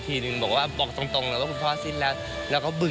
เผินอย่างไปหอบ